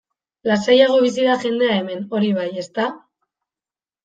Lasaiago bizi da jendea hemen, hori bai, ezta?